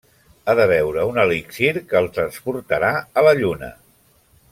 Ha de beure un elixir que el transportarà a la Lluna.